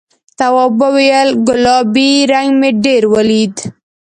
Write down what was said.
تواب وویل گلابي رنګ مې ولید.